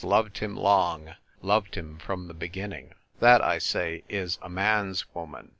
loved him long, loved him from the beginning. That, I say, is a man's woman.